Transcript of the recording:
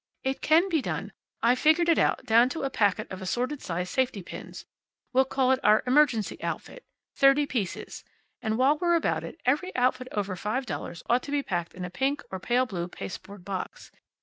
"It can be done. I've figured it out, down to a packet of assorted size safety pins. We'll call it our emergency outfit. Thirty pieces. And while we're about it, every outfit over five dollars ought to be packed in a pink or a pale blue pasteboard box.